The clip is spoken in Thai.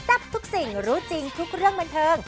ทับทุกสิ่งรู้จริงทุกเรื่องบันเทิง